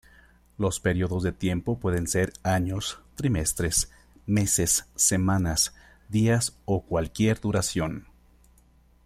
Los periodos de tiempo pueden ser años, trimestres, meses, semanas, días o cualquier duración.